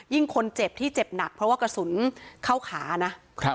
คนเจ็บที่เจ็บหนักเพราะว่ากระสุนเข้าขานะ